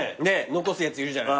残すやついるじゃない。